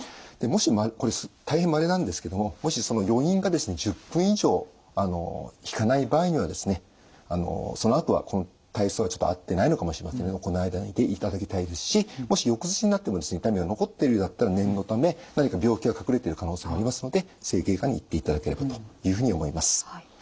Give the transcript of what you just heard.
もしこれ大変まれなんですけどももしその余韻がですね１０分以上引かない場合にはそのあとはこの体操はちょっと合ってないのかもしれませんので行わないでいただきたいですしもし翌日になっても痛みが残ってるようだったら念のため何か病気が隠れてる可能性もありますので整形外科に行っていただければというふうに思います。